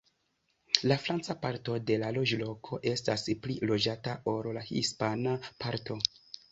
La franca parto de la loĝloko estas pli loĝata ol la hispana parto.